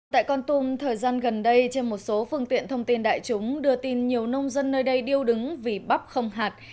tại con tum thời gian gần đây trên một số phương tiện thông tin đại chúng đưa tin nhiều nông dân nơi đây điêu đứng vì bắp không hạt